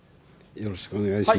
よろしくお願いします。